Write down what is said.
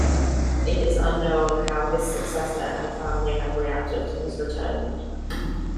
It is unknown how his successor and family have reacted to his return.